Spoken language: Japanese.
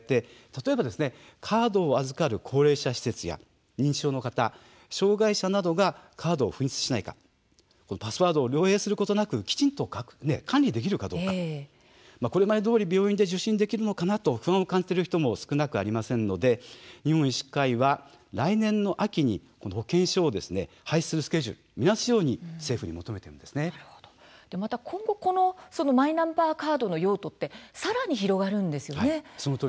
こうした相次ぐトラブルに加えてカードを預かる高齢者施設や認知症の方、障害者などがカードを紛失しないかパスワードを漏えいすることなくきちんと管理できるかどうかこれまでどおり病院で受診できるかと不安を感じている人も少なくありませんので日本医師会は来年の秋にこの保険証を廃止するスケジュールを見直すようにまた、このマイナンバーカードの用途はさらに広がるんですよね。